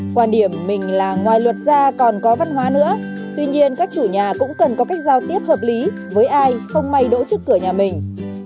quan điểm mình là ngoài luật ra còn có văn hóa nữa tuy nhiên các chủ nhà cũng cần có cách giao tiếp hợp lý với ai không may đỗ trước cửa nhà mình